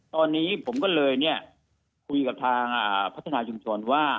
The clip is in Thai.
ตอนนี้ผมก็เลยคุยกับทางพัฒนาชุมชนว่า